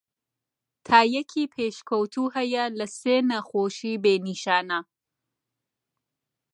تایەکی پێشکەوتوو هەیە لە سێ نەخۆشی بێ نیشانە.